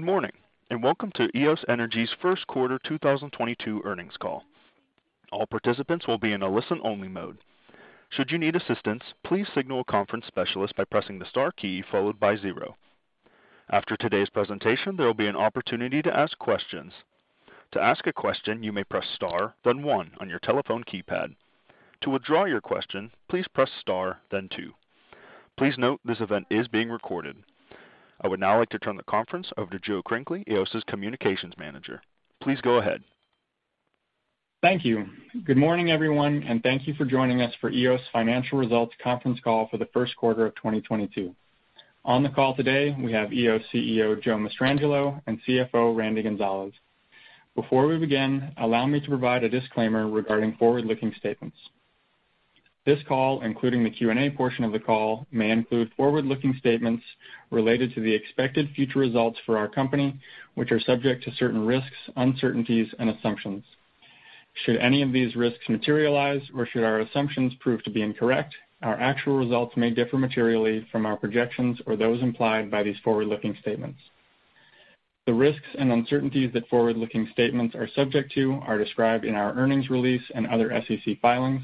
Good morning, and welcome to Eos Energy's first quarter 2022 earnings call. All participants will be in a listen-only mode. Should you need assistance, please signal a conference specialist by pressing the star key followed by zero. After today's presentation, there will be an opportunity to ask questions. To ask a question, you may press star, then one on your telephone keypad. To withdraw your question, please Press Star, then two. Please note this event is being recorded. I would now like to turn the conference over to Joe Crinkley, Eos's Communications Manager. Please go ahead. Thank you. Good morning, everyone, and thank you for joining us for Eos Financial Results conference call for the first quarter of 2022. On the call today, we have Eos CEO, Joe Mastrangelo, and CFO, Randy Gonzales. Before we begin, allow me to provide a disclaimer regarding forward-looking statements. This call, including the Q&A portion of the call, may include forward-looking statements related to the expected future results for our company, which are subject to certain risks, uncertainties and assumptions. Should any of these risks materialize or should our assumptions prove to be incorrect, our actual results may differ materially from our projections or those implied by these forward-looking statements. The risks and uncertainties that forward-looking statements are subject to are described in our earnings release and other SEC filings.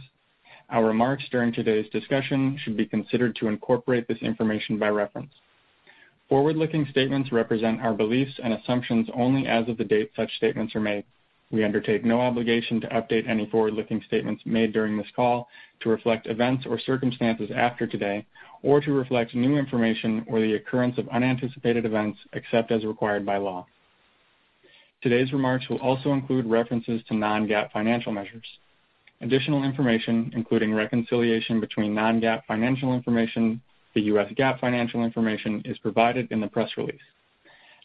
Our remarks during today's discussion should be considered to incorporate this information by reference. Forward-looking statements represent our beliefs and assumptions only as of the date such statements are made. We undertake no obligation to update any forward-looking statements made during this call to reflect events or circumstances after today or to reflect new information or the occurrence of unanticipated events, except as required by law. Today's remarks will also include references to non-GAAP financial measures. Additional information, including reconciliation between non-GAAP financial information, the U.S. GAAP financial information, is provided in the press release.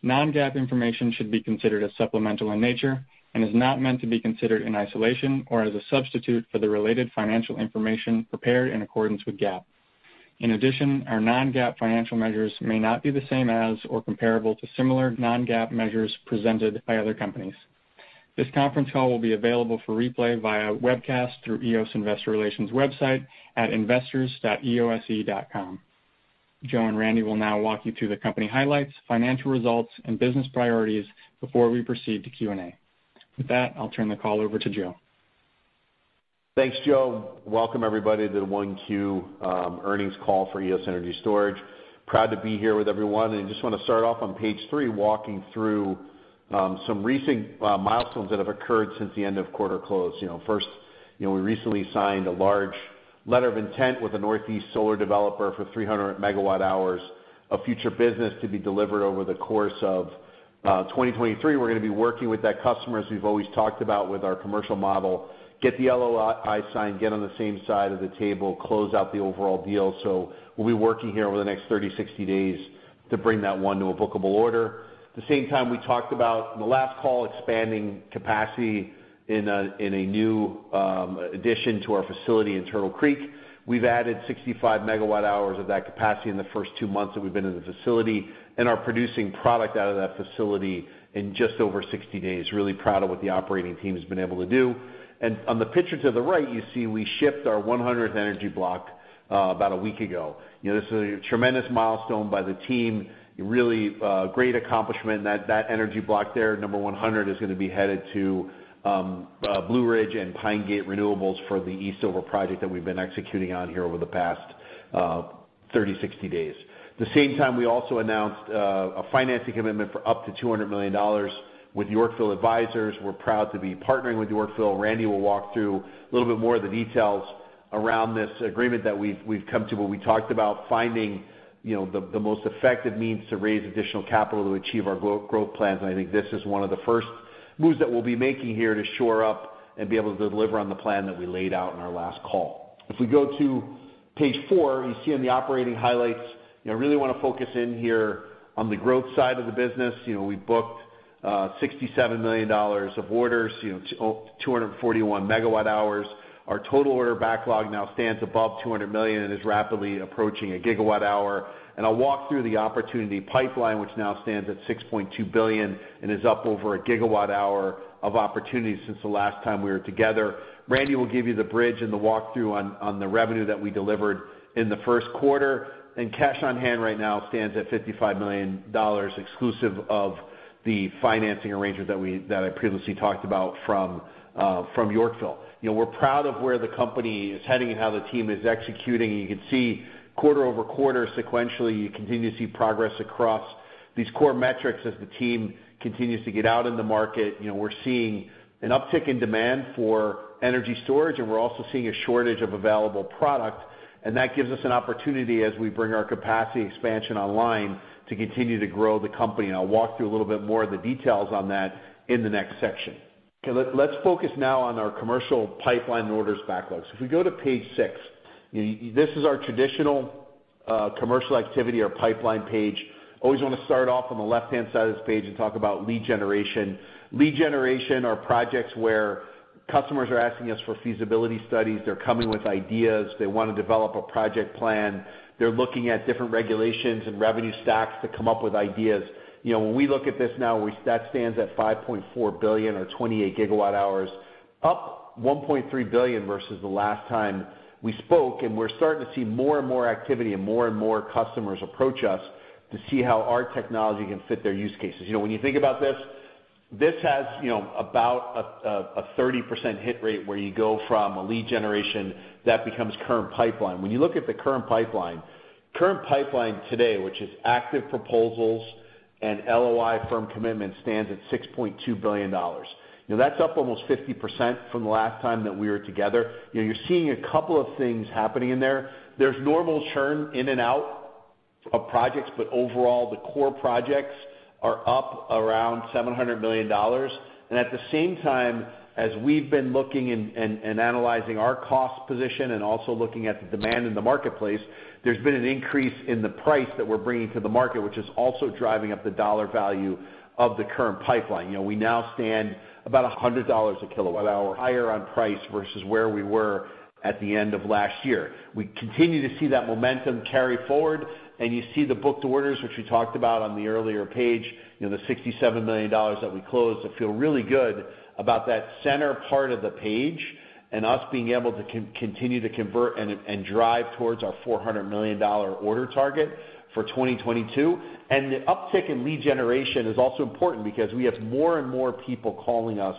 Non-GAAP information should be considered as supplemental in nature and is not meant to be considered in isolation or as a substitute for the related financial information prepared in accordance with GAAP. In addition, our non-GAAP financial measures may not be the same as or comparable to similar non-GAAP measures presented by other companies. This conference call will be available for replay via webcast through Eos investor relations website at investors.eose.com. Joe and Randy will now walk you through the company highlights, financial results and business priorities before we proceed to Q&A. With that, I'll turn the call over to Joe. Thanks, Joe. Welcome everybody to the 1Q earnings call for Eos Energy Enterprises. Proud to be here with everyone, and just wanna start off on page 3, walking through some recent milestones that have occurred since the end of quarter close. You know, first, you know, we recently signed a large letter of intent with a Northeast solar developer for 300 megawatt-hours of future business to be delivered over the course of 2023. We're gonna be working with that customer, as we've always talked about with our commercial model, get the LOI signed, get on the same side of the table, close out the overall deal. We'll be working here over the next 30, 60 days to bring that one to a bookable order. At the same time, we talked about, in the last call, expanding capacity in a new addition to our facility in Turtle Creek. We've added 65 MWh of that capacity in the first two months that we've been in the facility and are producing product out of that facility in just over 60 days. Really proud of what the operating team has been able to do. On the picture to the right, you see we shipped our 100th energy block about a week ago. You know, this is a tremendous milestone by the team, really, great accomplishment. That energy block there, number 100, is gonna be headed to Blue Ridge and Pine Gate Renewables for the Eastover project that we've been executing on here over the past 30-60 days. the same time, we also announced a financing commitment for up to $200 million with Yorkville Advisors. We're proud to be partnering with Yorkville. Randy will walk through a little bit more of the details around this agreement that we've come to. But we talked about finding you know the most effective means to raise additional capital to achieve our growth plans. I think this is one of the first moves that we'll be making here to shore up and be able to deliver on the plan that we laid out in our last call. If we go to page four, you see on the operating highlights, you know, really wanna focus in here on the growth side of the business. You know, we booked $67 million of orders, you know, 241 MWh. Our total order backlog now stands above $200 million and is rapidly approaching a gigawatt-hour. I'll walk through the opportunity pipeline, which now stands at $6.2 billion and is up over a gigawatt-hour of opportunities since the last time we were together. Randy will give you the bridge and the walkthrough on the revenue that we delivered in the first quarter. Cash on hand right now stands at $55 million, exclusive of the financing arrangement that I previously talked about from Yorkville. You know, we're proud of where the company is heading and how the team is executing. You can see quarter-over-quarter sequentially, you continue to see progress across these core metrics as the team continues to get out in the market. You know, we're seeing an uptick in demand for energy storage, and we're also seeing a shortage of available product, and that gives us an opportunity as we bring our capacity expansion online to continue to grow the company. I'll walk through a little bit more of the details on that in the next section. Okay. Let's focus now on our commercial pipeline orders backlogs. If we go to page six, this is our traditional, commercial activity or pipeline page. Always wanna start off on the left-hand side of this page and talk about lead generation. Lead generation are projects where customers are asking us for feasibility studies. They're coming with ideas. They wanna develop a project plan. They're looking at different regulations and revenue stacks to come up with ideas. You know, when we look at this now, that stands at $5.4 billion or 28 GWh, up $1.3 billion versus the last time we spoke. We're starting to see more and more activity and more and more customers approach us to see how our technology can fit their use cases. You know, when you think about this. This has, you know, about a 30% hit rate where you go from a lead generation that becomes current pipeline. When you look at the current pipeline today, which is active proposals and LOI firm commitment, stands at $6.2 billion. Now, that's up almost 50% from the last time that we were together. You know, you're seeing a couple of things happening in there. There's normal churn in and out of projects, but overall, the core projects are up around $700 million. At the same time, as we've been looking and analyzing our cost position and also looking at the demand in the marketplace, there's been an increase in the price that we're bringing to the market, which is also driving up the dollar value of the current pipeline. You know, we now stand about $100 a kilowatt-hour higher on price versus where we were at the end of last year. We continue to see that momentum carry forward, and you see the booked orders, which we talked about on the earlier page, you know, the $67 million that we closed. I feel really good about that center part of the page and us being able to continue to convert and drive towards our $400 million order target for 2022. The uptick in lead generation is also important because we have more and more people calling us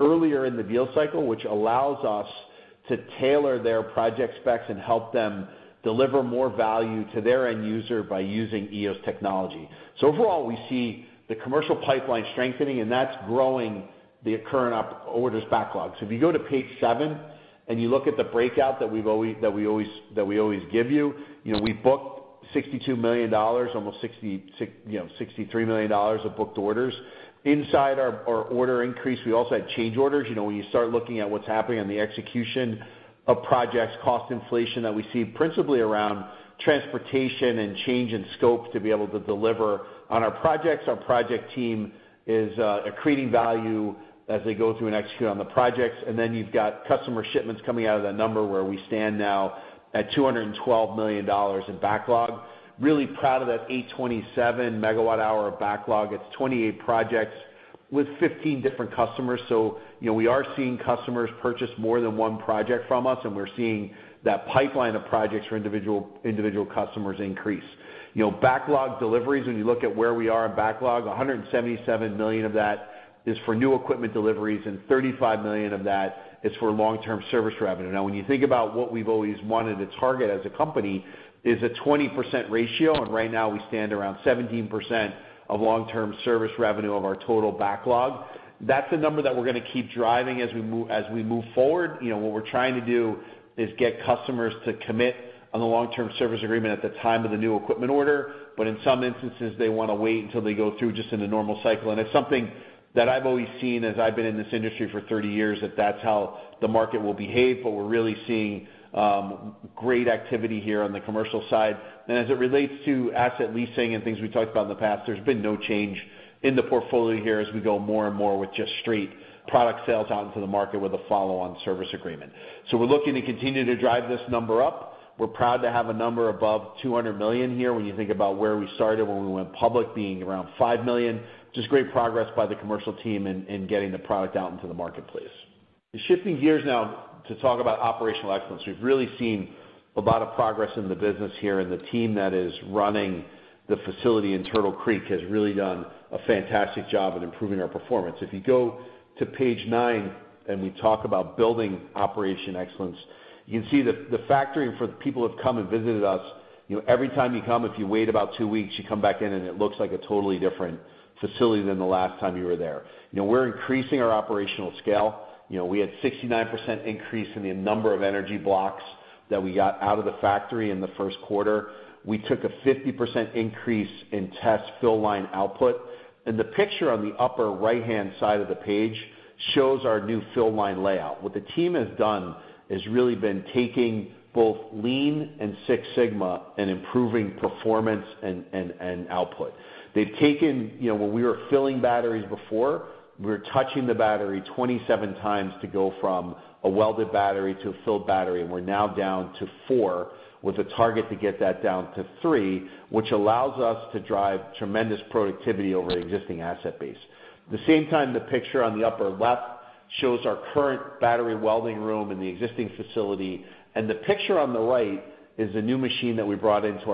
earlier in the deal cycle, which allows us to tailor their project specs and help them deliver more value to their end user by using Eos technology. Overall, we see the commercial pipeline strengthening, and that's growing the current orders backlog. If you go to page seven and you look at the breakout that we always give you know, we booked $62 million, almost $63 million of booked orders. Inside our order increase, we also had change orders. You know, when you start looking at what's happening on the execution of projects, cost inflation that we see principally around transportation and change in scope to be able to deliver on our projects. Our project team is accreting value as they go through and execute on the projects. You've got customer shipments coming out of that number, where we stand now at $212 million in backlog. Really proud of that 827 MWh of backlog. It's 28 projects with 15 different customers. You know, we are seeing customers purchase more than one project from us, and we're seeing that pipeline of projects for individual customers increase. You know, backlog deliveries, when you look at where we are in backlog, $177 million of that is for new equipment deliveries, and $35 million of that is for long-term service revenue. Now, when you think about what we've always wanted to target as a company is a 20% ratio, and right now we stand around 17% of long-term service revenue of our total backlog. That's a number that we're gonna keep driving as we move forward. You know, what we're trying to do is get customers to commit on the long-term service agreement at the time of the new equipment order. But in some instances, they wanna wait until they go through just in a normal cycle. It's something that I've always seen as I've been in this industry for 30 years, that that's how the market will behave. We're really seeing great activity here on the commercial side. As it relates to asset leasing and things we talked about in the past, there's been no change in the portfolio here as we go more and more with just straight product sales out into the market with a follow-on service agreement. We're looking to continue to drive this number up. We're proud to have a number above $200 million here when you think about where we started when we went public being around $5 million. Just great progress by the commercial team in getting the product out into the marketplace. Shifting gears now to talk about operational excellence. We've really seen a lot of progress in the business here, and the team that is running the facility in Turtle Creek has really done a fantastic job at improving our performance. If you go to page 9 and we talk about building operational excellence, you can see the factory for the people who have come and visited us, you know, every time you come, if you wait about two weeks, you come back in and it looks like a totally different facility than the last time you were there. You know, we're increasing our operational scale. You know, we had 69% increase in the number of energy blocks that we got out of the factory in the first quarter. We took a 50% increase in test fill line output. The picture on the upper right-hand side of the page shows our new fill line layout. What the team has done has really been taking both Lean and Six Sigma and improving performance and output. They've taken. You know, when we were filling batteries before, we were touching the battery 27x to go from a welded battery to a filled battery. We're now down to four, with a target to get that down to three, which allows us to drive tremendous productivity over the existing asset base. At the same time, the picture on the upper left shows our current battery welding room in the existing facility, and the picture on the right is a new machine that we brought into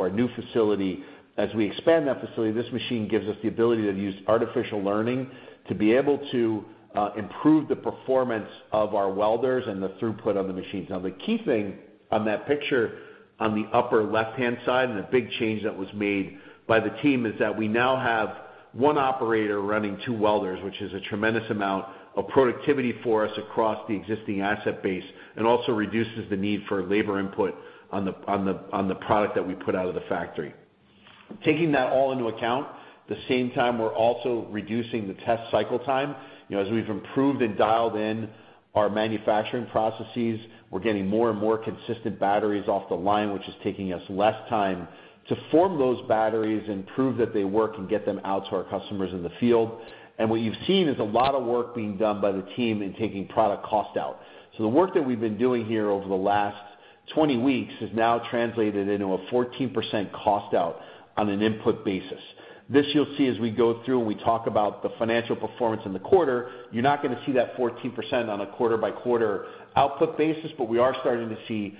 our new facility. As we expand that facility, this machine gives us the ability to use artificial learning to be able to improve the performance of our welders and the throughput of the machines. Now, the key thing on that picture on the upper left-hand side, and the big change that was made by the team, is that we now have one operator running two welders, which is a tremendous amount of productivity for us across the existing asset base and also reduces the need for labor input on the product that we put out of the factory. Taking that all into account, at the same time, we're also reducing the test cycle time. You know, as we've improved and dialed in our manufacturing processes, we're getting more and more consistent batteries off the line, which is taking us less time to form those batteries and prove that they work and get them out to our customers in the field. What you've seen is a lot of work being done by the team in taking product cost out. The work that we've been doing here over the last 20 weeks has now translated into a 14% cost out on an input basis. This you'll see as we go through and we talk about the financial performance in the quarter. You're not gonna see that 14% on a quarter-by-quarter output basis, but we are starting to see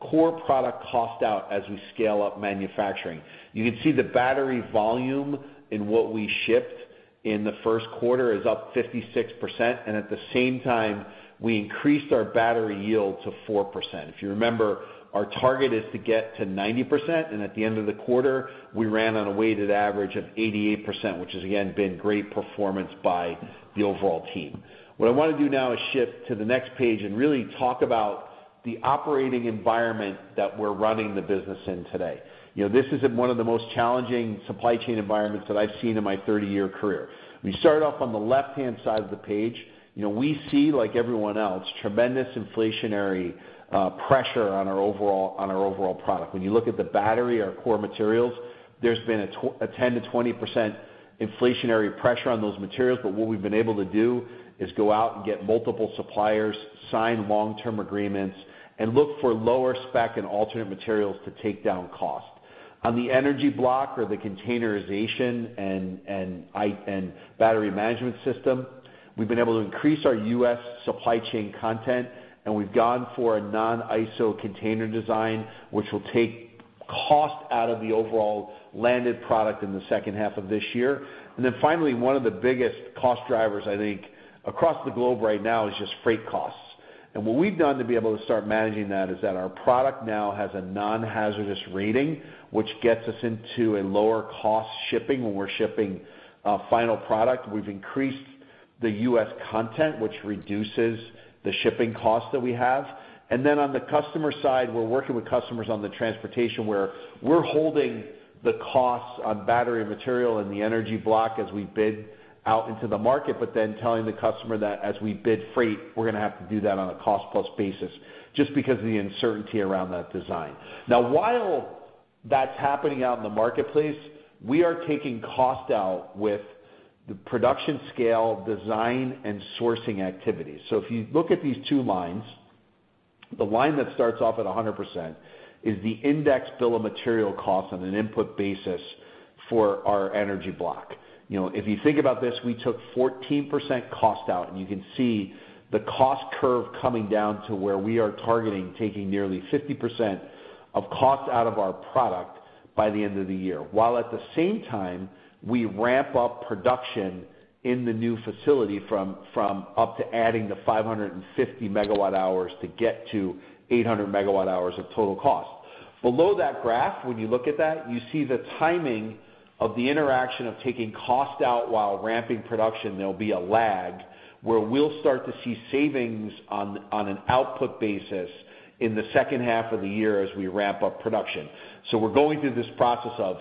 core product cost out as we scale up manufacturing. You can see the battery volume in what we shipped in the first quarter is up 56%, and at the same time, we increased our battery yield to 4%. If you remember, our target is to get to 90%, and at the end of the quarter, we ran on a weighted average of 88%, which has again, been great performance by the overall team. What I wanna do now is shift to the next page and really talk about the operating environment that we're running the business in today. You know, this is in one of the most challenging supply chain environments that I've seen in my 30 year career. We start off on the left-hand side of the page. You know, we see, like everyone else, tremendous inflationary pressure on our overall product. When you look at the battery, our core materials, there's been a 10%-20% inflationary pressure on those materials, but what we've been able to do is go out and get multiple suppliers, sign long-term agreements, and look for lower spec and alternate materials to take down cost. On the energy block or the containerization and Battery Management System, we've been able to increase our U.S. supply chain content, and we've gone for a non-ISO container design, which will take cost out of the overall landed product in the second half of this year. Finally, one of the biggest cost drivers, I think, across the globe right now is just freight costs. What we've done to be able to start managing that is that our product now has a non-hazardous rating, which gets us into a lower cost shipping when we're shipping final product. We've increased the U.S. content, which reduces the shipping cost that we have. On the customer side, we're working with customers on the transportation where we're holding the costs on battery material and the energy block as we bid out into the market, but then telling the customer that as we bid freight, we're gonna have to do that on a cost-plus basis just because of the uncertainty around that design. Now, while that's happening out in the marketplace, we are taking cost out with the production scale, design, and sourcing activities. If you look at these two lines, the line that starts off at 100% is the index bill of material cost on an input basis for our energy block. You know, if you think about this, we took 14% cost out, and you can see the cost curve coming down to where we are targeting taking nearly 50% of cost out of our product by the end of the year, while at the same time, we ramp up production in the new facility from up to adding the 550MWh to get to 800MWh of total cost. Below that graph, when you look at that, you see the timing of the interaction of taking cost out while ramping production. There'll be a lag where we'll start to see savings on an output basis in the second half of the year as we ramp up production. We're going through this process of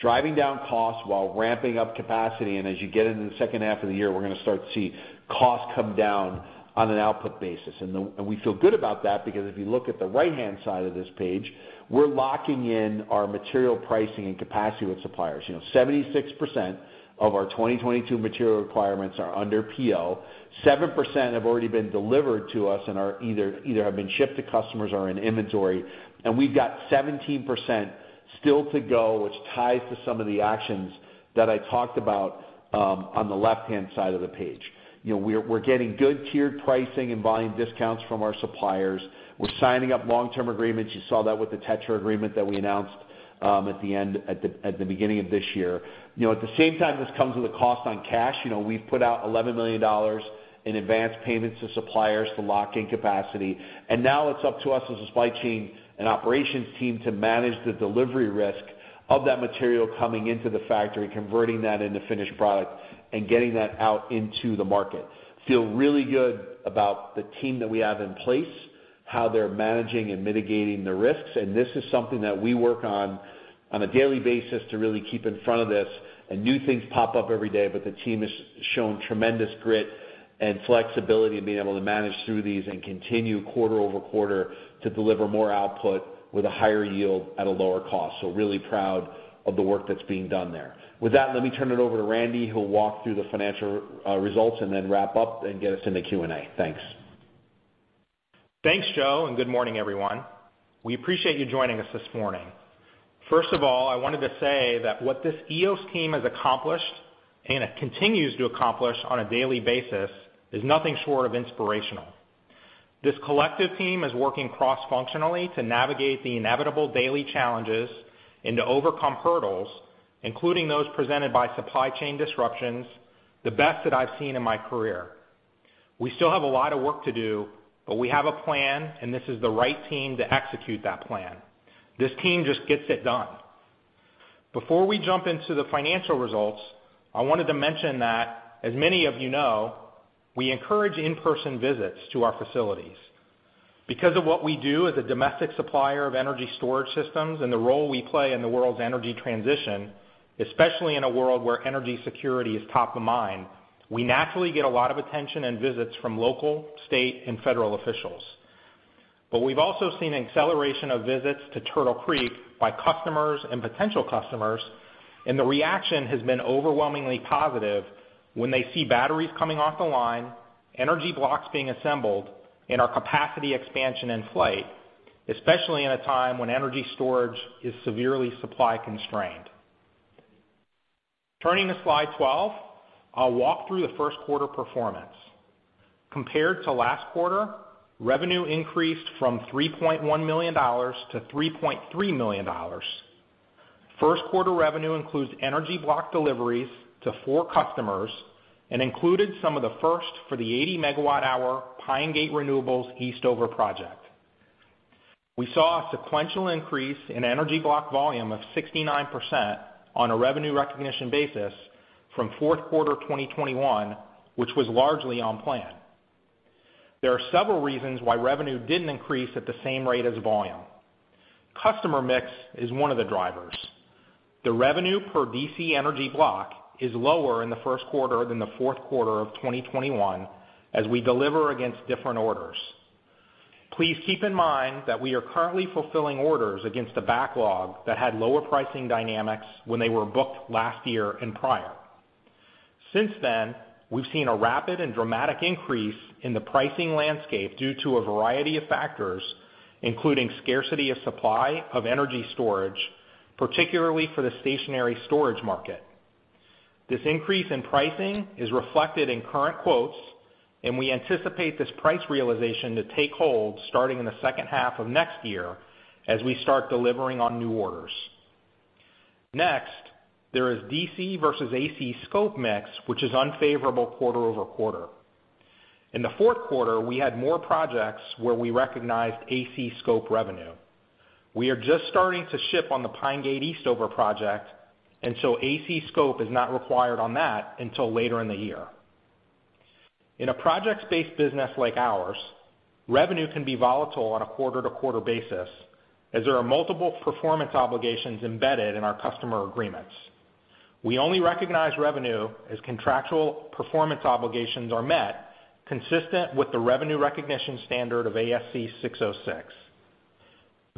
driving down costs while ramping up capacity, and as you get into the second half of the year, we're gonna start to see costs come down on an output basis. We feel good about that because if you look at the right-hand side of this page, we're locking in our material pricing and capacity with suppliers. You know, 76% of our 2022 material requirements are under PO. 7% have already been delivered to us and are either have been shipped to customers or in inventory. We've got 17% still to go, which ties to some of the actions that I talked about on the left-hand side of the page. You know, we're getting good tiered pricing and volume discounts from our suppliers. We're signing up long-term agreements. You saw that with the Tetra agreement that we announced at the beginning of this year. You know, at the same time, this comes with a cost on cash. You know, we've put out $11 million in advanced payments to suppliers to lock in capacity, and now it's up to us as a supply chain and operations team to manage the delivery risk of that material coming into the factory, converting that into finished product, and getting that out into the market. Feel really good about the team that we have in place, how they're managing and mitigating the risks, and this is something that we work on a daily basis to really keep in front of this. New things pop up every day, but the team has shown tremendous grit and flexibility in being able to manage through these and continue quarter-over-quarter to deliver more output with a higher yield at a lower cost. Really proud of the work that's being done there. With that, let me turn it over to Randy, who will walk through the financial results and then wrap up and get us into Q&A. Thanks. Thanks, Joe, and good morning, everyone. We appreciate you joining us this morning. First of all, I wanted to say that what this Eos team has accomplished and it continues to accomplish on a daily basis is nothing short of inspirational. This collective team is working cross-functionally to navigate the inevitable daily challenges and to overcome hurdles, including those presented by supply chain disruptions, the best that I've seen in my career. We still have a lot of work to do, but we have a plan, and this is the right team to execute that plan. This team just gets it done. Before we jump into the financial results, I wanted to mention that as many of you know, we encourage in-person visits to our facilities. Because of what we do as a domestic supplier of energy storage systems and the role we play in the world's energy transition, especially in a world where energy security is top of mind, we naturally get a lot of attention and visits from local, state, and federal officials. We've also seen an acceleration of visits to Turtle Creek by customers and potential customers, and the reaction has been overwhelmingly positive when they see batteries coming off the line, energy blocks being assembled, and our capacity expansion in flight, especially in a time when energy storage is severely supply constrained. Turning to slide 12, I'll walk through the first quarter performance. Compared to last quarter, revenue increased from $3.1 million-$3.3 million. First quarter revenue includes energy block deliveries to four customers, and included some of the first for the 80 MWh Pine Gate Renewables Eastover project. We saw a sequential increase in energy block volume of 69% on a revenue recognition basis from fourth quarter 2021, which was largely on plan. There are several reasons why revenue didn't increase at the same rate as volume. Customer mix is one of the drivers. The revenue per DC energy block is lower in the first quarter than the fourth quarter of 2021 as we deliver against different orders. Please keep in mind that we are currently fulfilling orders against the backlog that had lower pricing dynamics when they were booked last year and prior. Since then, we've seen a rapid and dramatic increase in the pricing landscape due to a variety of factors, including scarcity of supply of energy storage, particularly for the stationary storage market. This increase in pricing is reflected in current quotes, and we anticipate this price realization to take hold starting in the second half of next year as we start delivering on new orders. Next, there is DC versus AC scope mix, which is unfavorable quarter-over-quarter. In the fourth quarter, we had more projects where we recognized AC scope revenue. We are just starting to ship on the Pine Gate Eastover project, and so AC scope is not required on that until later in the year. In a projects-based business like ours, revenue can be volatile on a quarter-to-quarter basis as there are multiple performance obligations embedded in our customer agreements. We only recognize revenue as contractual performance obligations are met consistent with the revenue recognition standard of ASC 606.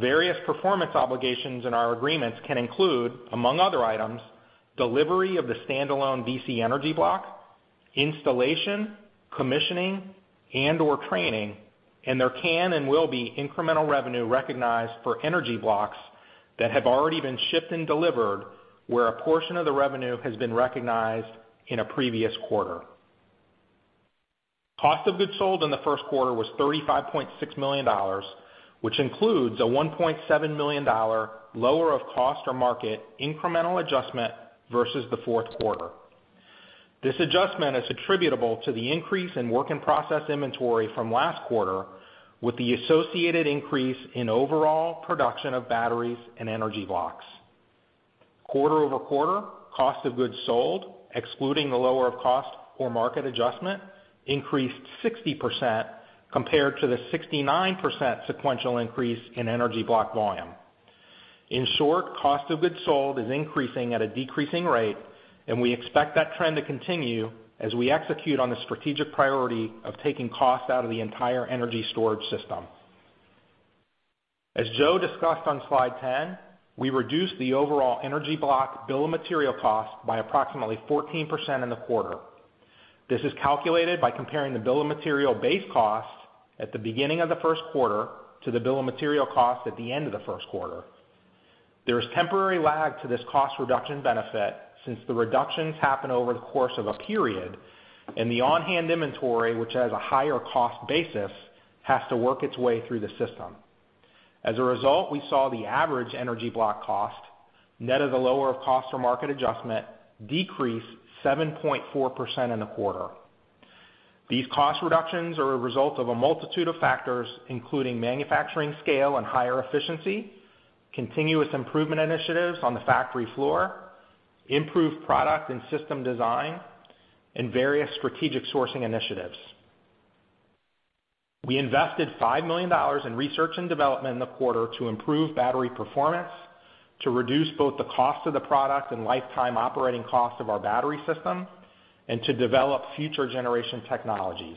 Various performance obligations in our agreements can include, among other items, delivery of the standalone DC energy block, installation, commissioning, and/or training, and there can and will be incremental revenue recognized for energy blocks that have already been shipped and delivered, where a portion of the revenue has been recognized in a previous quarter. Cost of goods sold in the first quarter was $35.6 million, which includes a $1.7 million lower of cost or market incremental adjustment versus the fourth quarter. This adjustment is attributable to the increase in work in process inventory from last quarter with the associated increase in overall production of batteries and energy blocks. Quarter-over-quarter, cost of goods sold, excluding the lower of cost or market adjustment, increased 60% compared to the 69% sequential increase in energy block volume. In short, cost of goods sold is increasing at a decreasing rate, and we expect that trend to continue as we execute on the strategic priority of taking costs out of the entire energy storage system. As Joe discussed on slide 10, we reduced the overall energy block bill of material cost by approximately 14% in the quarter. This is calculated by comparing the bill of material base cost at the beginning of the first quarter to the bill of material cost at the end of the first quarter. There is temporary lag to this cost reduction benefit since the reductions happen over the course of a period, and the on-hand inventory, which has a higher cost basis, has to work its way through the system. As a result, we saw the average energy block cost, net of the lower of cost or market adjustment, decrease 7.4% in the quarter. These cost reductions are a result of a multitude of factors, including manufacturing scale and higher efficiency, continuous improvement initiatives on the factory floor, improved product and system design, and various strategic sourcing initiatives. We invested $5 million in research and development in the quarter to improve battery performance, to reduce both the cost of the product and lifetime operating cost of our battery system, and to develop future generation technologies.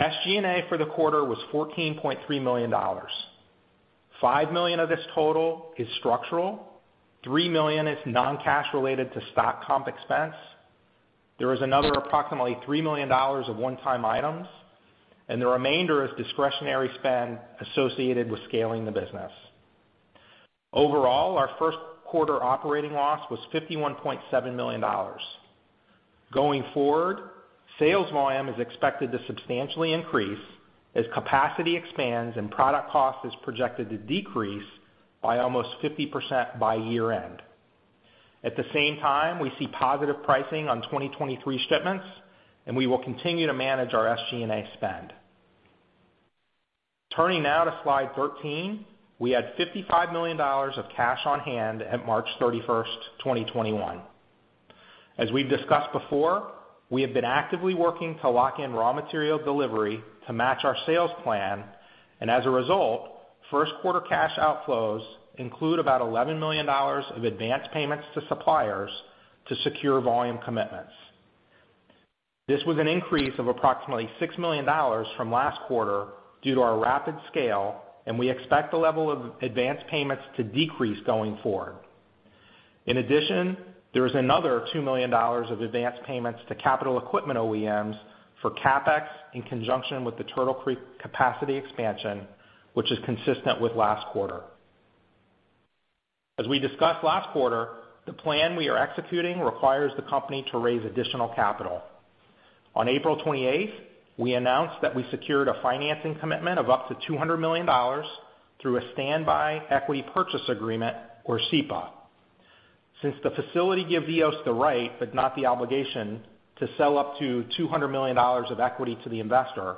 SG&A for the quarter was $14.3 million. $5 million of this total is structural. $3 million is non-cash related to stock comp expense. There is another approximately $3 million of one-time items, and the remainder is discretionary spend associated with scaling the business. Overall, our first quarter operating loss was $51.7 million. Going forward, sales volume is expected to substantially increase as capacity expands and product cost is projected to decrease by almost 50% by year-end. At the same time, we see positive pricing on 2023 shipments, and we will continue to manage our SG&A spend. Turning now to slide 13. We had $55 million of cash on hand at 31st March 2021. As we've discussed before, we have been actively working to lock in raw material delivery to match our sales plan. As a result, first quarter cash outflows include about $11 million of advanced payments to suppliers to secure volume commitments. This was an increase of approximately $6 million from last quarter due to our rapid scale, and we expect the level of advanced payments to decrease going forward. In addition, there is another $2 million of advanced payments to capital equipment OEMs for CapEx in conjunction with the Turtle Creek capacity expansion, which is consistent with last quarter. As we discussed last quarter, the plan we are executing requires the company to raise additional capital. On 28th April, we announced that we secured a financing commitment of up to $200 million through a standby equity purchase agreement, or SEPA. Since the facility give Eos the right, but not the obligation, to sell up to $200 million of equity to the investor,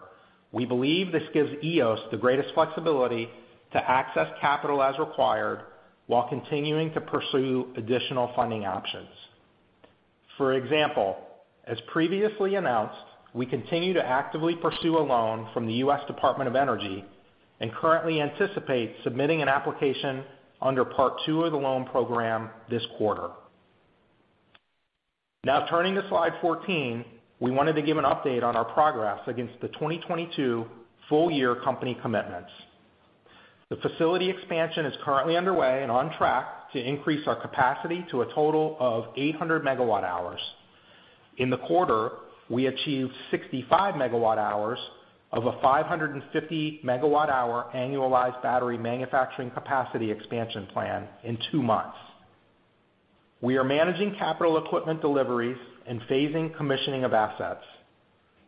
we believe this gives Eos the greatest flexibility to access capital as required while continuing to pursue additional funding options. For example, as previously announced, we continue to actively pursue a loan from the U.S. Department of Energy and currently anticipate submitting an application under part two of the loan program this quarter. Now turning to slide 14, we wanted to give an update on our progress against the 2022 full year company commitments. The facility expansion is currently underway and on track to increase our capacity to a total of 800 MWh. In the quarter, we achieved 65 MWh of a 550MWh annualized battery manufacturing capacity expansion plan in two months. We are managing capital equipment deliveries and phasing commissioning of assets.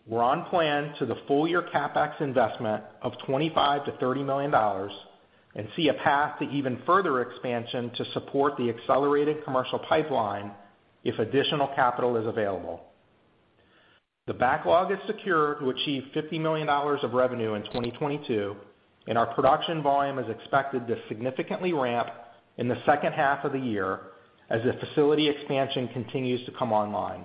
We're on plan to the full year CapEx investment of $25-$30 million and see a path to even further expansion to support the accelerated commercial pipeline if additional capital is available. The backlog is secure to achieve $50 million of revenue in 2022, and our production volume is expected to significantly ramp in the second half of the year as the facility expansion continues to come online.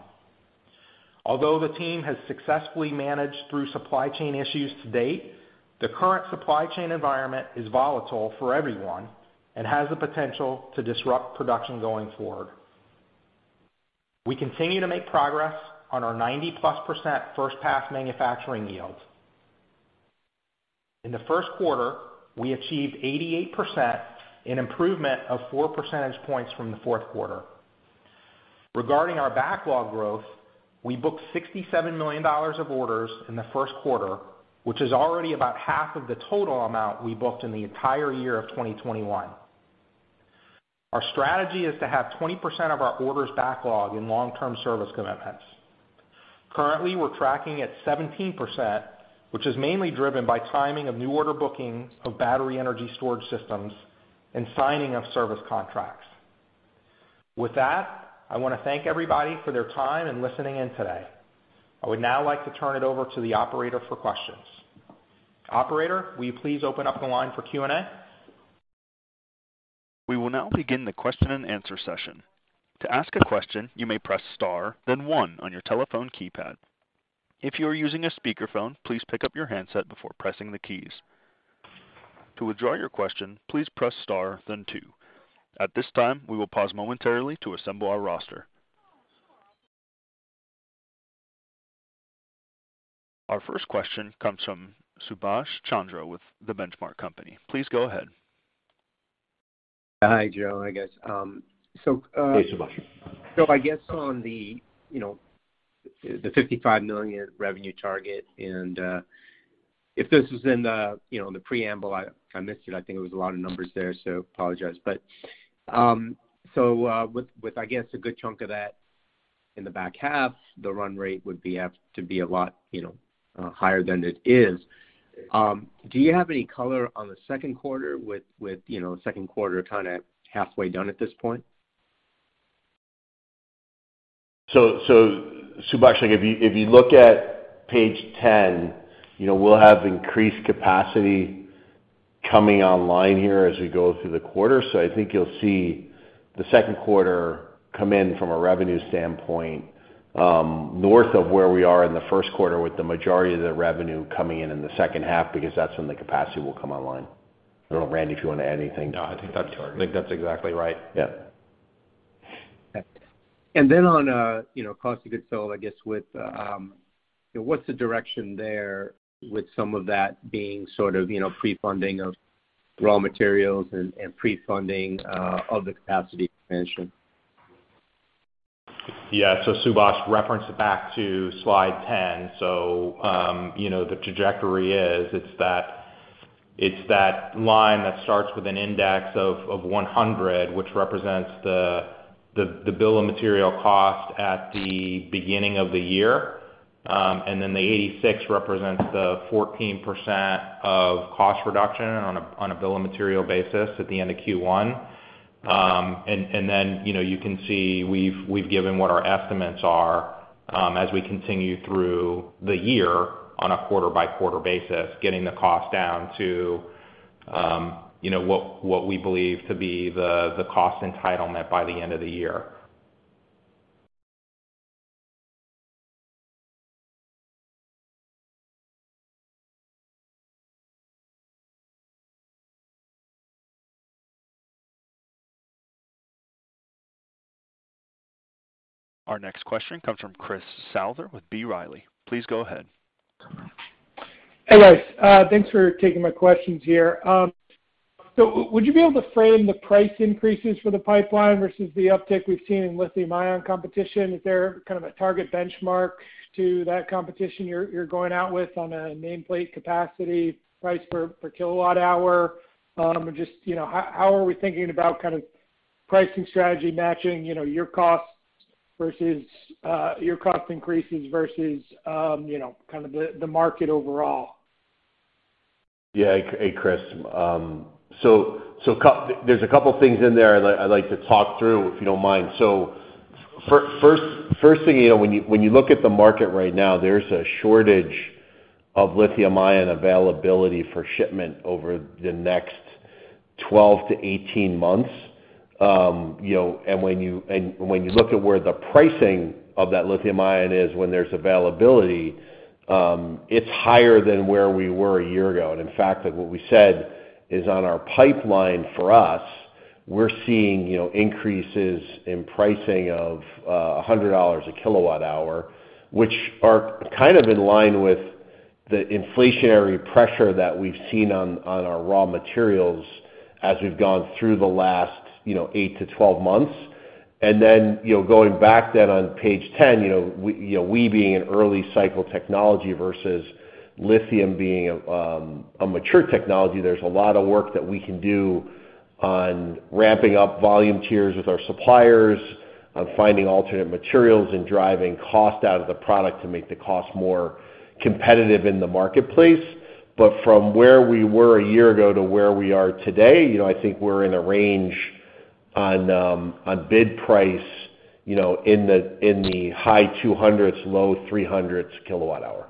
Although the team has successfully managed through supply chain issues to date, the current supply chain environment is volatile for everyone and has the potential to disrupt production going forward. We continue to make progress on our 90%+ first pass manufacturing yields. In the first quarter, we achieved 88%, an improvement of 4 percentage points from the fourth quarter. Regarding our backlog growth, we booked $67 million of orders in the first quarter, which is already about half of the total amount we booked in the entire year of 2021. Our strategy is to have 20% of our orders backlog in long-term service commitments. Currently, we're tracking at 17%, which is mainly driven by timing of new order booking of battery energy storage systems and signing of service contracts. With that, I wanna thank everybody for their time and listening in today. I would now like to turn it over to the operator for questions. Operator, will you please open up the line for Q&A? We will now begin the question and answer session. To ask a question, you may press star, then one on your telephone keypad. If you are using a speakerphone, please pick up your handset before pressing the keys. To withdraw your question, please press star then two. At this time, we will pause momentarily to assemble our roster. Our first question comes from Subash Chandra with The Benchmark Company. Please go ahead. Hi, Joe. Hi, guys. Hey, Subash. I guess on the, you know, the $55 million revenue target and, if this was in the preamble, I missed it. I think it was a lot of numbers there, so apologize. With I guess a good chunk of that in the back half, the run rate would have to be a lot, you know, higher than it is. Do you have any color on the second quarter with, you know, second quarter kinda halfway done at this point? Subash, like if you look at page 10, you know, we'll have increased capacity coming online here as we go through the quarter. I think you'll see the second quarter come in from a revenue standpoint, north of where we are in the first quarter with the majority of the revenue coming in in the second half because that's when the capacity will come online. I don't know, Randy, if you wanna add anything. No, I think that's exactly right. Yeah. Okay. On you know cost of goods sold, I guess with what's the direction there with some of that being sort of you know pre-funding of raw materials and pre-funding of the capacity expansion? Yeah. Subash referenced back to slide 10. You know, the trajectory is, it's that line that starts with an index of 100, which represents the bill of materials cost at the beginning of the year. The 86 represents the 14% of cost reduction on a bill of materials basis at the end of Q1. You know, you can see we've given what our estimates are, as we continue through the year on a quarter-by-quarter basis, getting the cost down to, you know, what we believe to be the cost entitlement by the end of the year. Our next question comes from Chris Souther with B. Riley. Please go ahead. Hey, guys. Thanks for taking my questions here. So would you be able to frame the price increases for the pipeline versus the uptick we've seen in lithium-ion competition? Is there kind of a target benchmark to that competition you're going out with on a nameplate capacity price per kilowatt-hour? Or just, you know, how are we thinking about kind of pricing strategy matching, you know, your costs versus your cost increases versus, you know, kind of the market overall. Yeah. Hey, Chris. There's a couple things in there I'd like to talk through, if you don't mind. First thing, you know, when you look at the market right now, there's a shortage of lithium-ion availability for shipment over the next 12-18 months. You know, when you look at where the pricing of that lithium-ion is when there's availability, it's higher than where we were a year ago. In fact, like what we said is on our pipeline for us, we're seeing, you know, increases in pricing of $100 a kilowatt-hour, which are kind of in line with the inflationary pressure that we've seen on our raw materials as we've gone through the last, you know, 8-12 months. Going back then on page ten, you know, we, you know, being an early cycle technology versus lithium being a mature technology, there's a lot of work that we can do on ramping up volume tiers with our suppliers, on finding alternate materials and driving cost out of the product to make the cost more competitive in the marketplace. From where we were a year ago to where we are today, you know, I think we're in a range on bid price, you know, in the high 200s, low 300s kilowatt-hour.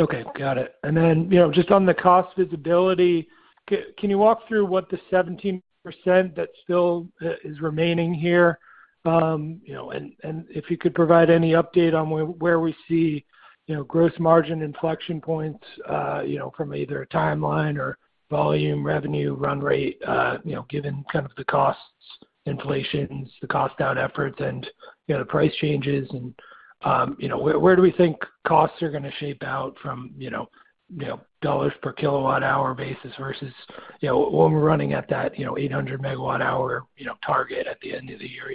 Okay, got it. You know, just on the cost visibility, can you walk through what the 17% that still is remaining here? You know, and if you could provide any update on where we see, you know, gross margin inflection points, you know, from either a timeline or volume revenue run rate, you know, given kind of the costs, inflations, the cost down efforts and, you know, the price changes and, you know, where do we think costs are gonna shake out from, you know, $ per kilowatt-hour basis versus, you know, when we're running at that, you know, 800 MWh target at the end of the year?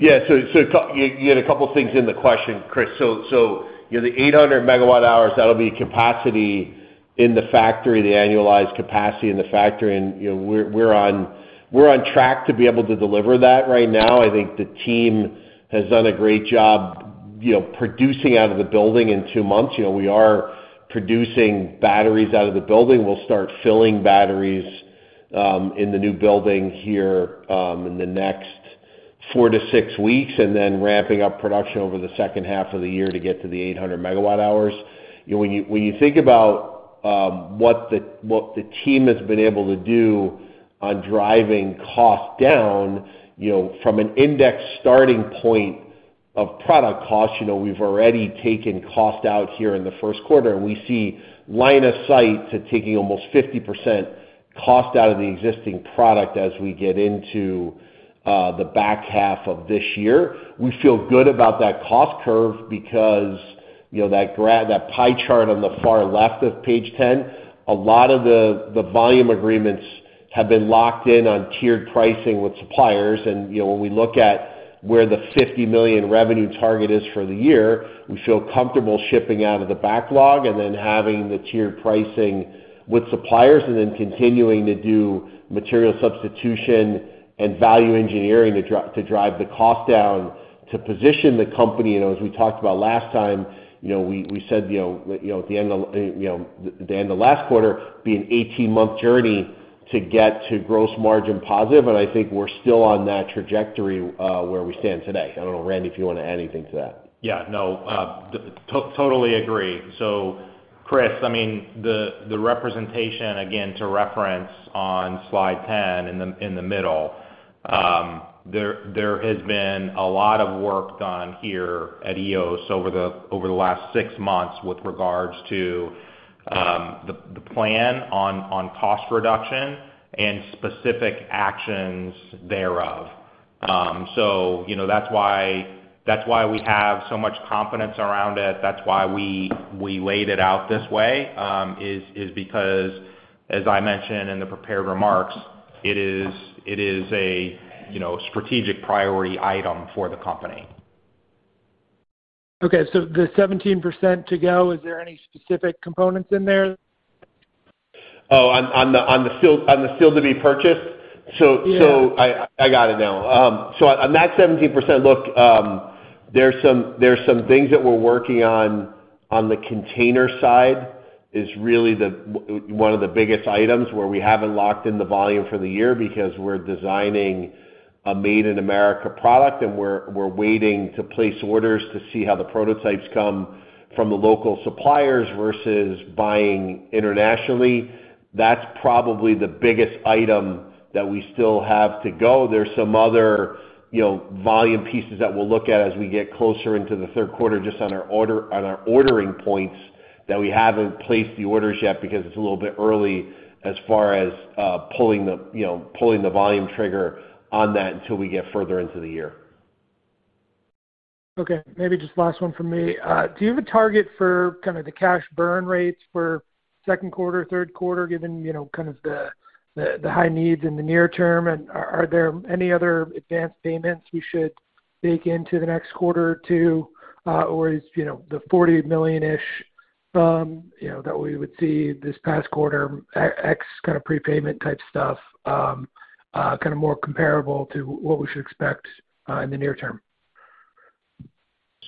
Yeah. You had a couple things in the question, Chris. You know, the 800 MWh, that'll be capacity in the factory, the annualized capacity in the factory. You know, we're on track to be able to deliver that right now. I think the team has done a great job, you know, producing out of the building in two months. You know, we are producing batteries out of the building. We'll start filling batteries in the new building here in the next 4-6 weeks, and then ramping up production over the second half of the year to get to the 800 MWh. You know, when you think about what the team has been able to do on driving cost down, you know, from an index starting point of product cost, you know, we've already taken cost out here in the first quarter, and we see line of sight to taking almost 50% cost out of the existing product as we get into the back half of this year. We feel good about that cost curve because, you know, that pie chart on the far left of page 10, a lot of the volume agreements have been locked in on tiered pricing with suppliers. You know, when we look at where the $50 million revenue target is for the year, we feel comfortable shipping out of the backlog and then having the tiered pricing with suppliers, and then continuing to do material substitution and value engineering to drive the cost down to position the company. You know, as we talked about last time, we said, you know, at the end of last quarter, be an 18-month journey to get to gross margin positive, and I think we're still on that trajectory where we stand today. I don't know, Randy, if you wanna add anything to that. Yeah, no, totally agree. Chris, I mean, the representation again to reference on slide 10 in the middle, there has been a lot of work done here at EOS over the last 6 months with regards to the plan on cost reduction and specific actions thereof. So, you know, that's why we have so much confidence around it. That's why we laid it out this way, is because, as I mentioned in the prepared remarks, it is a strategic priority item for the company. Okay. The 17% to go, is there any specific components in there? On the still to be purchased? Yeah. I got it now. On that 17%, there are some things that we're working on. On the container side is really one of the biggest items where we haven't locked in the volume for the year because we're designing a made in America product, and we're waiting to place orders to see how the prototypes come from the local suppliers versus buying internationally. That's probably the biggest item that we still have to go. There are some other volume pieces that we'll look at as we get closer into the third quarter, just on our ordering points that we haven't placed the orders yet because it's a little bit early as far as pulling the volume trigger on that until we get further into the year. Okay. Maybe just last one from me. Do you have a target for kind of the cash burn rates for second quarter, third quarter, given, you know, kind of the high needs in the near term? Are there any other advanced payments we should bake into the next quarter or two, or is, you know, the $40 million-ish You know, that we would see this past quarter ex kind of prepayment type stuff, kind of more comparable to what we should expect in the near term.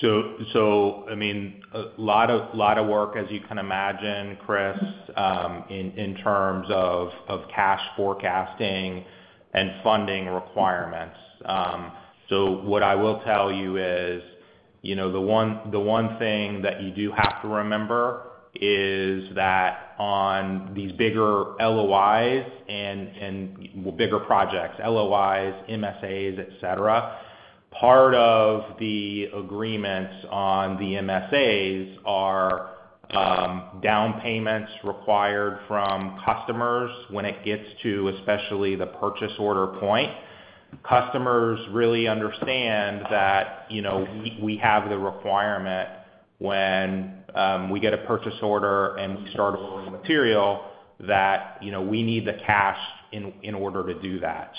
I mean, a lot of work, as you can imagine, Chris, in terms of cash forecasting and funding requirements. What I will tell you is, you know, the one thing that you do have to remember is that on these bigger LOIs and bigger projects, LOIs, MSAs, et cetera, part of the agreements on the MSAs are down payments required from customers when it gets to, especially the purchase order point. Customers really understand that, you know, we have the requirement when we get a purchase order and we start ordering material that, you know, we need the cash in order to do that.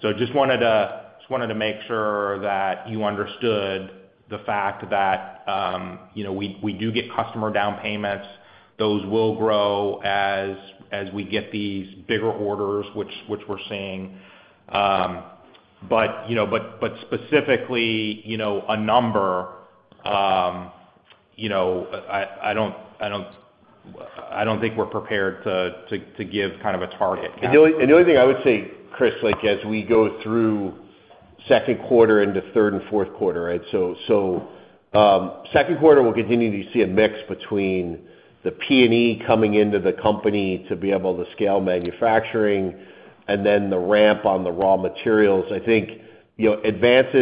Just wanted to make sure that you understood the fact that, you know, we do get customer down payments. Those will grow as we get these bigger orders, which we're seeing. But you know, specifically, you know, a number, you know, I don't think we're prepared to give kind of a target count. The only thing I would say, Chris, like as we go through second quarter into third and fourth quarter, right? Second quarter, we'll continue to see a mix between the PP&E coming into the company to be able to scale manufacturing and then the ramp on the raw materials. I think, you know, advances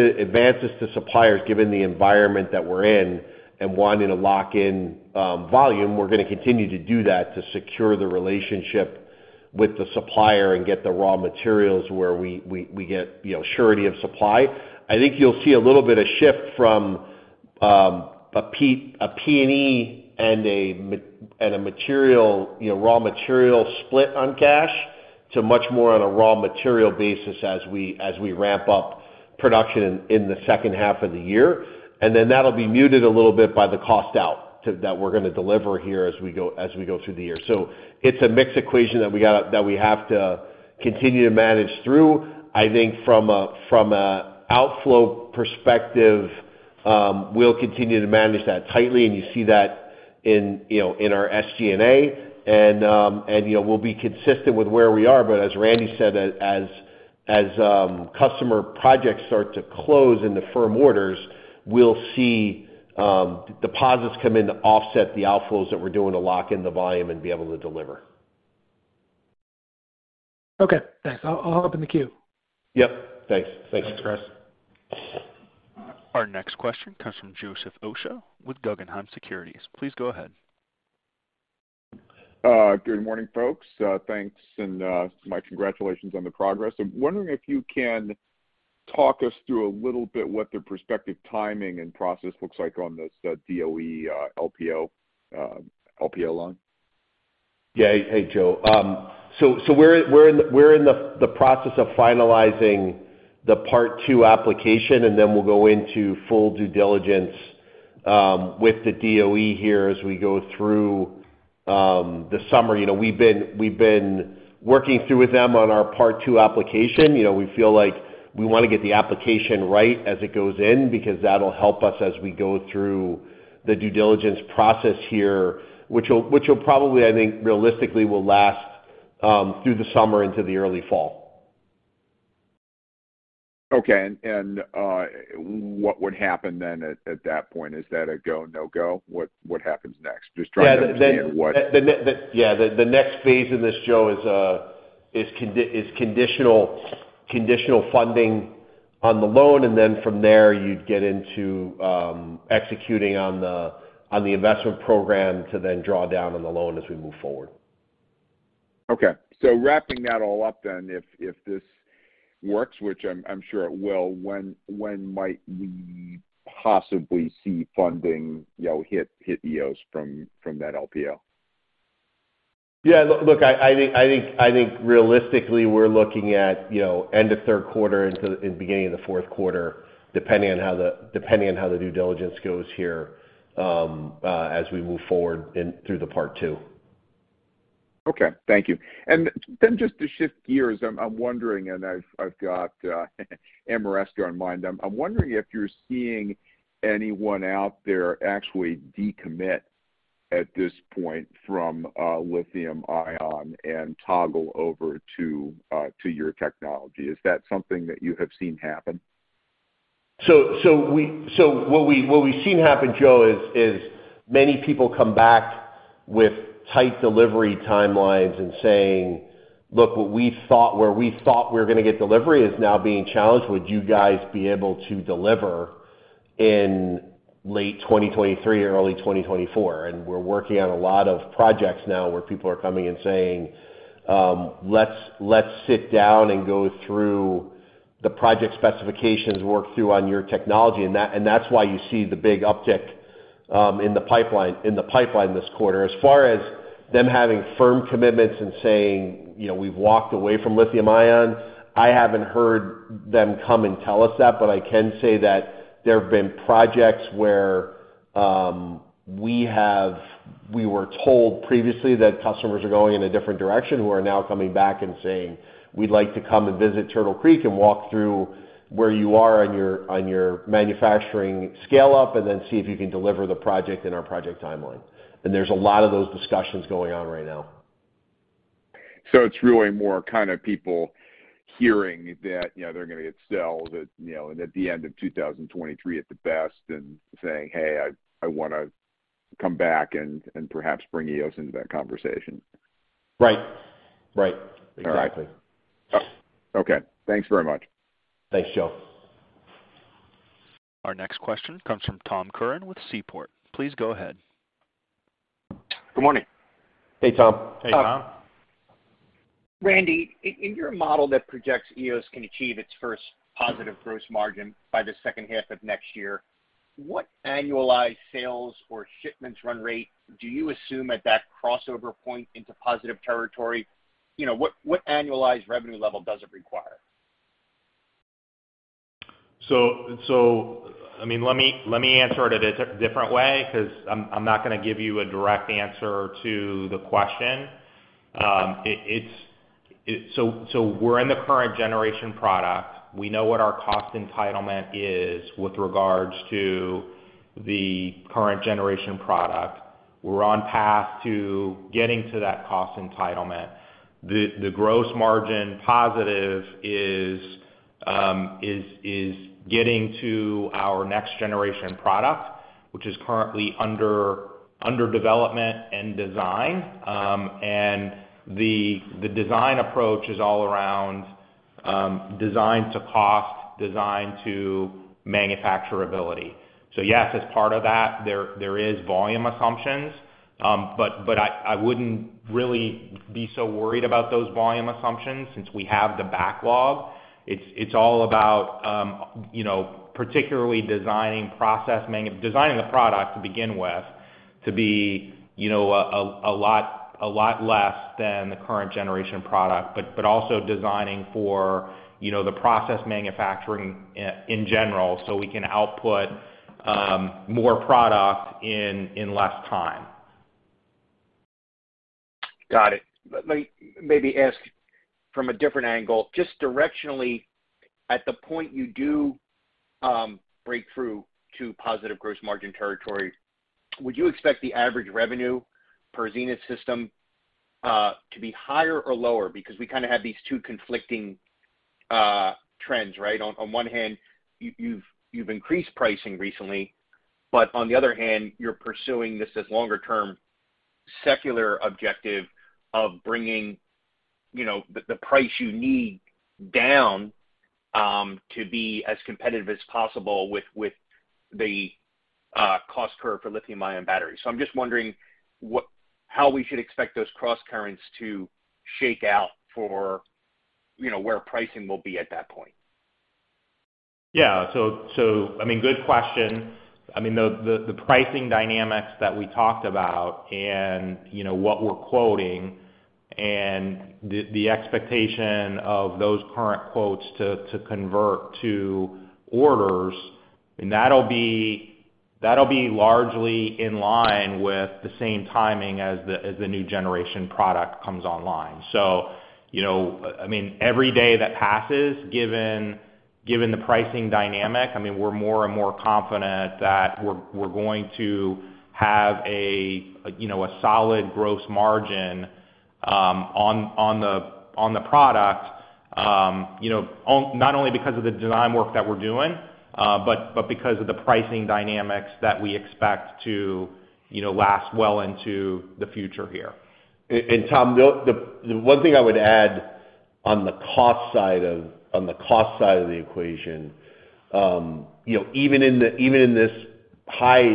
to suppliers, given the environment that we're in and wanting to lock in volume, we're gonna continue to do that to secure the relationship with the supplier and get the raw materials where we get, you know, surety of supply. I think you'll see a little bit of shift from a PP&E and a material, you know, raw material split on cash to much more on a raw material basis as we ramp up production in the second half of the year. Then that'll be muted a little bit by the cost out that we're gonna deliver here as we go through the year. It's a mixed equation that we have to continue to manage through. I think from a outflow perspective, we'll continue to manage that tightly, and you see that in, you know, in our SG&A. you know, we'll be consistent with where we are, but as Randy said, as customer projects start to close into firm orders, we'll see deposits come in to offset the outflows that we're doing to lock in the volume and be able to deliver. Okay, thanks. I'll open the queue. Yep. Thanks. Thanks, Chris. Our next question comes from Joseph Osha with Guggenheim Securities. Please go ahead. Good morning, folks. Thanks, and my congratulations on the progress. I'm wondering if you can talk us through a little bit what the prospective timing and process looks like on this DOE, LPO loan? Yeah. Hey, Joe. So we're in the process of finalizing the Part Two application, and then we'll go into full due diligence with the DOE here as we go through the summer. You know, we've been working through with them on our Part Two application. You know, we feel like we wanna get the application right as it goes in because that'll help us as we go through the due diligence process here, which will probably, I think, realistically last through the summer into the early fall. Okay. What would happen then at that point? Is that a go, no-go? What happens next? Just trying to Yeah. -understand what- Yeah. The next phase in this, Joe, is conditional funding on the loan, and then from there, you'd get into executing on the investment program to then draw down on the loan as we move forward. Okay. Wrapping that all up then, if this works, which I'm sure it will, when might we possibly see funding, you know, hit Eos from that LPO? Yeah. Look, I think realistically, we're looking at, you know, end of third quarter into and beginning of the fourth quarter, depending on how the due diligence goes here, as we move forward through part two. Okay. Thank you. Just to shift gears, I'm wondering, and I've got Ameresco in mind. I'm wondering if you're seeing anyone out there actually decommit at this point from lithium-ion and toggle over to your technology. Is that something that you have seen happen? What we've seen happen, Joe, is many people come back with tight delivery timelines and saying, "Look, where we thought we were gonna get delivery is now being challenged. Would you guys be able to deliver in late 2023 or early 2024?" We're working on a lot of projects now where people are coming and saying, "Let's sit down and go through the project specifications, work through on your technology." That's why you see the big uptick in the pipeline this quarter. As far as Them having firm commitments and saying, you know, we've walked away from lithium-ion, I haven't heard them come and tell us that, but I can say that there have been projects where we were told previously that customers are going in a different direction, who are now coming back and saying, "We'd like to come and visit Turtle Creek and walk through where you are on your manufacturing scale-up, and then see if you can deliver the project in our project timeline." There's a lot of those discussions going on right now. It's really more kind of people hearing that, you know, they're gonna get cells at, you know, and at the end of 2023 at the best, and saying, "Hey, I wanna come back and perhaps bring EOS into that conversation. Right. Right. All right. Exactly. Okay. Thanks very much. Thanks, Joe. Our next question comes from Tom Curran with Seaport. Please go ahead. Good morning. Hey, Tom. Hey, Tom. Randy, in your model that projects Eos can achieve its first positive gross margin by the second half of next year, what annualized sales or shipments run rate do you assume at that crossover point into positive territory? You know, what annualized revenue level does it require? I mean, let me answer it at a different way, 'cause I'm not gonna give you a direct answer to the question. We're in the current generation product. We know what our cost entitlement is with regards to the current generation product. We're on path to getting to that cost entitlement. The gross margin positive is getting to our next generation product, which is currently under development and design. The design approach is all around design to cost, design to manufacturability. Yes, as part of that, there is volume assumptions, but I wouldn't really be so worried about those volume assumptions since we have the backlog. It's all about, you know, particularly designing the product to begin with to be, you know, a lot less than the current generation product, but also designing for, you know, the process manufacturing in general, so we can output more product in less time. Got it. Let me maybe ask from a different angle, just directionally, at the point you do break through to positive gross margin territory, would you expect the average revenue per Znyth system to be higher or lower? Because we kind of have these two conflicting trends, right? On one hand, you've increased pricing recently, but on the other hand, you're pursuing this longer term secular objective of bringing, you know, the price you need down to be as competitive as possible with the cost curve for lithium-ion batteries. So I'm just wondering how we should expect those crosscurrents to shake out for, you know, where pricing will be at that point. Yeah. I mean, good question. I mean, the pricing dynamics that we talked about and, you know, what we're quoting and the expectation of those current quotes to convert to orders, and that'll be largely in line with the same timing as the new generation product comes online. You know, I mean, every day that passes, given the pricing dynamic, I mean, we're more and more confident that we're going to have a, you know, a solid gross margin on the product, you know, not only because of the design work that we're doing, but because of the pricing dynamics that we expect to, you know, last well into the future here. Tom, the one thing I would add on the cost side of the equation, you know, even in this high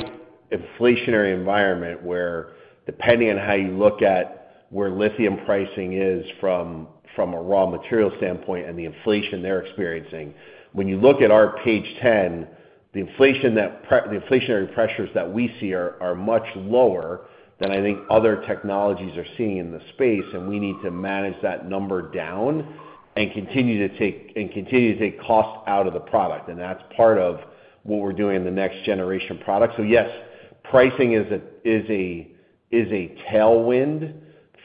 inflationary environment where depending on how you look at where lithium pricing is from a raw material standpoint and the inflation they're experiencing, when you look at our page ten, the inflationary pressures that we see are much lower than I think other technologies are seeing in the space, and we need to manage that number down and continue to take cost out of the product. That's part of what we're doing in the next generation product. Yes, pricing is a tailwind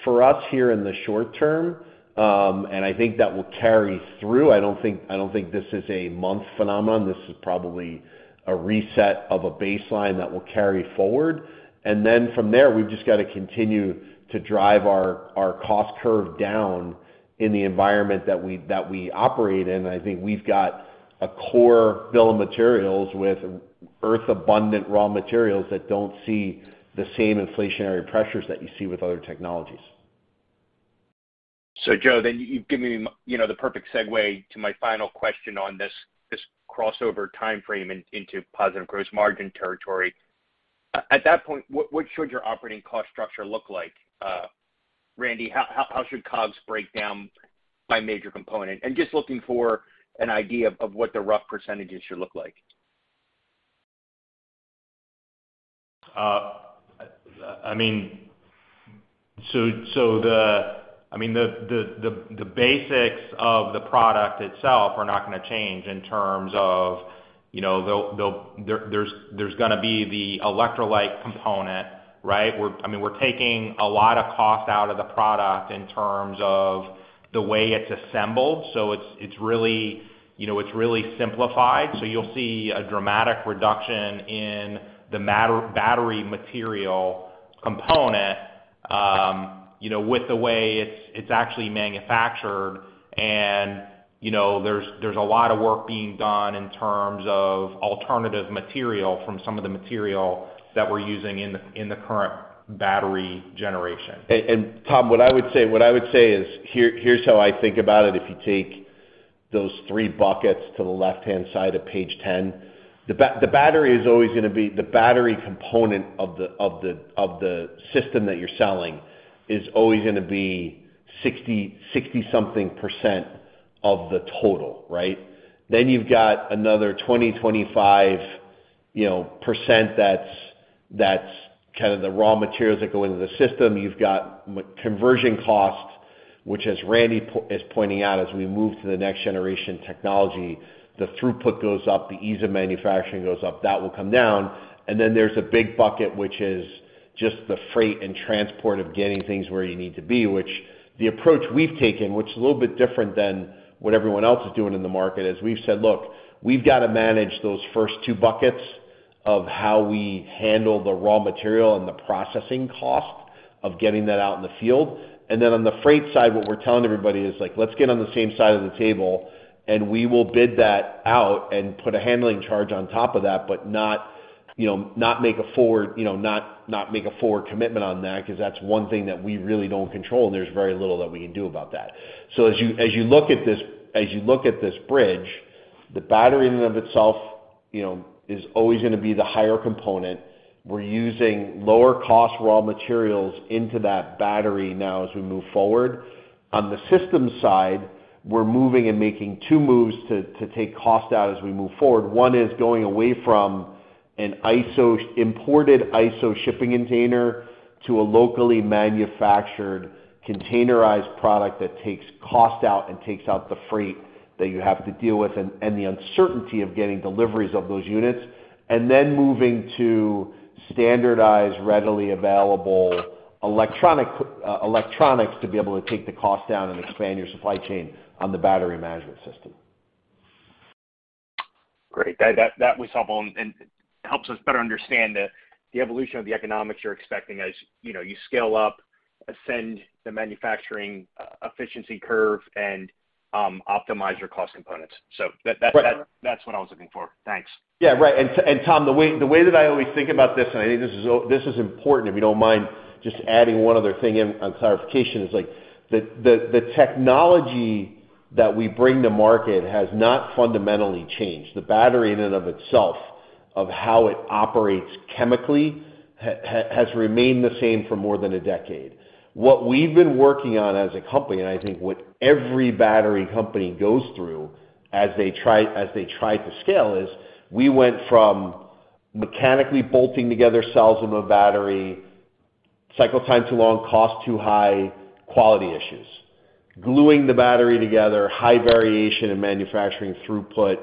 for us here in the short term, and I think that will carry through. I don't think this is a month phenomenon. This is probably a reset of a baseline that will carry forward. From there, we've just got to continue to drive our cost curve down in the environment that we operate in. I think we've got a core bill of materials with earth-abundant raw materials that don't see the same inflationary pressures that you see with other technologies. Joe, then you've given me, you know, the perfect segue to my final question on this crossover timeframe into positive gross margin territory. At that point, what should your operating cost structure look like? Randy, how should COGS break down by major component? Just looking for an idea of what the rough percentages should look like. I mean, the basics of the product itself are not gonna change in terms of, you know, there’s gonna be the electrolyte component, right? I mean, we’re taking a lot of cost out of the product in terms of the way it’s assembled. It’s really, you know, it’s really simplified. You’ll see a dramatic reduction in the material - battery material component, you know, with the way it’s actually manufactured. You know, there’s a lot of work being done in terms of alternative material from some of the material that we’re using in the current battery generation. Tom, what I would say is here's how I think about it if you take those three buckets to the left-hand side of page 10. The battery component of the system that you're selling is always gonna be 60-something percent of the total, right? Then you've got another 20-25%, you know, that's kind of the raw materials that go into the system. You've got conversion cost, which as Randy is pointing out, as we move to the next generation technology, the throughput goes up, the ease of manufacturing goes up, that will come down. Then there's a big bucket, which is just the freight and transport of getting things where you need to be, which the approach we've taken, which is a little bit different than what everyone else is doing in the market, is we've said, "Look, we've got to manage those first two buckets of how we handle the raw material and the processing cost of getting that out in the field." Then on the freight side, what we're telling everybody is, like, "Let's get on the same side of the table, and we will bid that out and put a handling charge on top of that, but not, you know, make a forward commitment on that because that's one thing that we really don't control, and there's very little that we can do about that." As you look at this bridge, the battery in and of itself, you know, is always gonna be the higher component. We're using lower cost raw materials into that battery now as we move forward. On the system side, we're moving and making two moves to take cost out as we move forward. One is going away from an imported ISO shipping container to a locally manufactured containerized product that takes cost out and takes out the freight that you have to deal with and the uncertainty of getting deliveries of those units, and then moving to standardized, readily available electronics to be able to take the cost down and expand your supply chain on the Battery Management System. Great. That was helpful and helps us better understand the evolution of the economics you're expecting as, you know, you scale up, ascend the manufacturing efficiency curve and optimize your cost components. So that's Right. That's what I was looking for. Thanks. Yeah. Right. Tom, the way that I always think about this, and I think this is important, if you don't mind just adding one other thing in on clarification, is like the technology that we bring to market has not fundamentally changed. The battery in and of itself, of how it operates chemically has remained the same for more than a decade. What we've been working on as a company, and I think what every battery company goes through as they try to scale is we went from mechanically bolting together cells in the battery, cycle time's too long, cost too high, quality issues. Gluing the battery together, high variation in manufacturing throughput,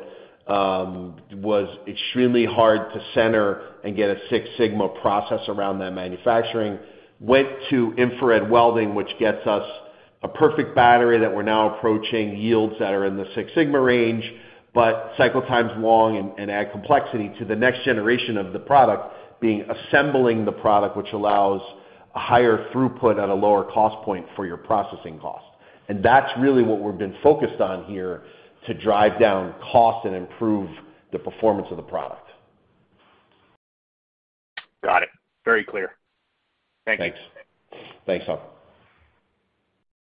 was extremely hard to center and get a Six Sigma process around that manufacturing. Went to infrared welding, which gets us a perfect battery that we're now approaching yields that are in the Six Sigma range, but cycle time's long and add complexity to the next generation of the product being assembling the product, which allows a higher throughput at a lower cost point for your processing cost. That's really what we've been focused on here to drive down cost and improve the performance of the product. Got it. Very clear. Thank you. Thanks. Thanks, Tom.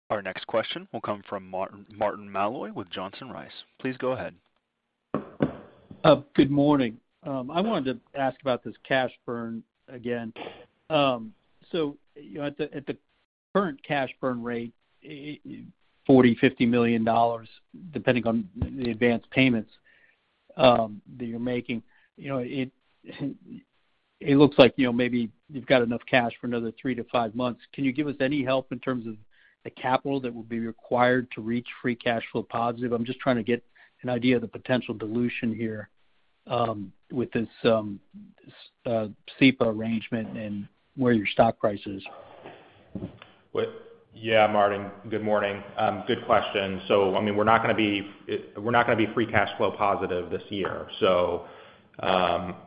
Our next question will come from Martin Malloy with Johnson Rice & Company. Please go ahead. Good morning. I wanted to ask about this cash burn again. You know, at the current cash burn rate, $40-$50 million, depending on the advanced payments that you're making, you know, it looks like, you know, maybe you've got enough cash for another 3-5 months. Can you give us any help in terms of the capital that would be required to reach free cash flow positive? I'm just trying to get an idea of the potential dilution here, with this SEPA arrangement and where your stock price is. Well, yeah, Martin Malloy. Good morning. Good question. I mean, we're not gonna be free cash flow positive this year.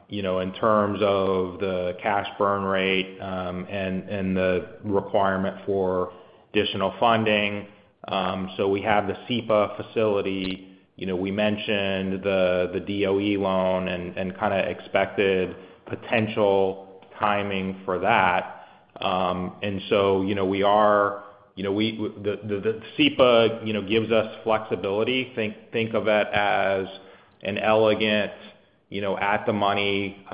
You know, in terms of the cash burn rate, and the requirement for additional funding, we have the SEPA facility. You know, we mentioned the DOE loan and kinda expected potential timing for that. You know, we are, you know, the SEPA gives us flexibility. Think of it as an elegant, you know, at the money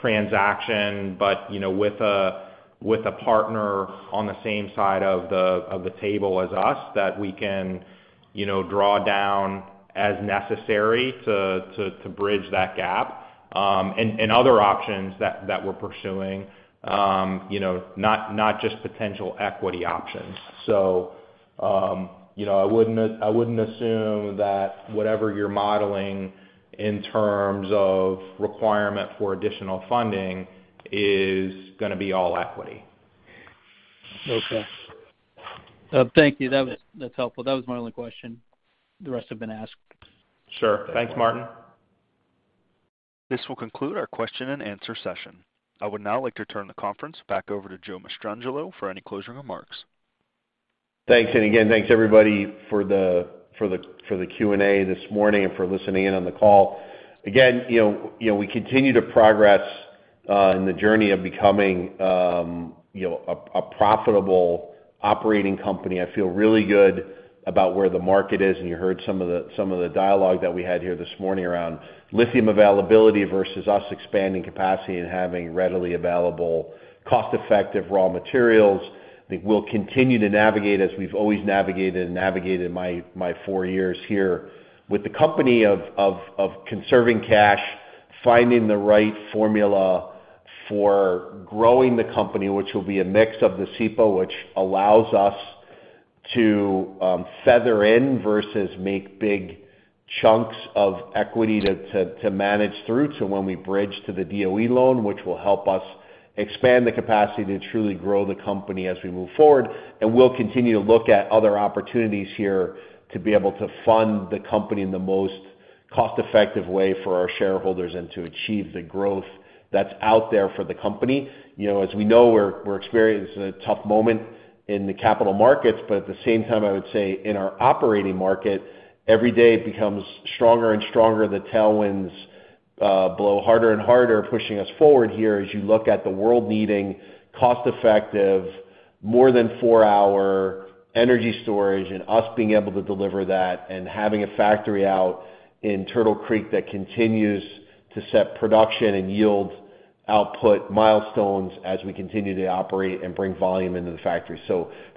transaction, but, you know, with a With a partner on the same side of the table as us that we can, you know, draw down as necessary to bridge that gap. Other options that we're pursuing, you know, not just potential equity options. I wouldn't assume that whatever you're modeling in terms of requirement for additional funding is gonna be all equity. Okay. Thank you. That's helpful. That was my only question. The rest have been asked. Sure. Thanks, Martin. This will conclude our question and answer session. I would now like to turn the conference back over to Joe Mastrangelo for any closing remarks. Thanks. Again, thanks everybody for the Q&A this morning and for listening in on the call. Again, you know, we continue to progress in the journey of becoming a profitable operating company. I feel really good about where the market is, and you heard some of the dialogue that we had here this morning around lithium availability versus us expanding capacity and having readily available, cost-effective raw materials that we'll continue to navigate as we've always navigated my four years here. With the company focused on conserving cash, finding the right formula for growing the company, which will be a mix of the SEPA, which allows us to feather in versus make big chunks of equity to manage through to when we bridge to the DOE loan, which will help us expand the capacity to truly grow the company as we move forward. We'll continue to look at other opportunities here to be able to fund the company in the most cost-effective way for our shareholders and to achieve the growth that's out there for the company. You know, as we know, we're experiencing a tough moment in the capital markets, but at the same time, I would say in our operating market, every day becomes stronger and stronger. The tailwinds blow harder and harder, pushing us forward here as you look at the world needing cost-effective, more than four-hour energy storage, and us being able to deliver that, and having a factory out in Turtle Creek that continues to set production and yield output milestones as we continue to operate and bring volume into the factory.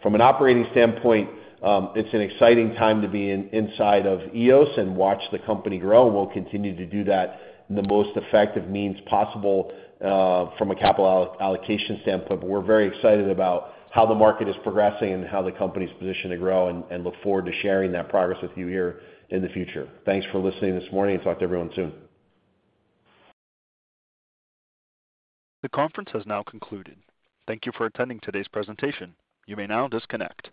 From an operating standpoint, it's an exciting time to be inside of EOS and watch the company grow. We'll continue to do that in the most effective means possible, from a capital allocation standpoint. We're very excited about how the market is progressing and how the company's positioned to grow and look forward to sharing that progress with you here in the future. Thanks for listening this morning. Talk to everyone soon. The conference has now concluded. Thank you for attending today's presentation. You may now disconnect.